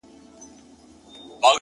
o ستا مين درياب سره ياري کوي ـ